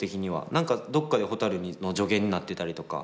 何かどっかでほたるの助言になってたりとか